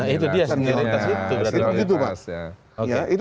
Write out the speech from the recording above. nah itu dia senioritas itu